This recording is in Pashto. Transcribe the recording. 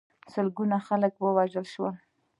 سلګونه خلک ووژل شول.